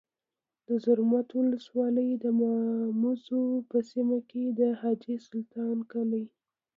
د زرمت ولسوالۍ د ماموزو په سیمه کي د حاجي سلطان کلی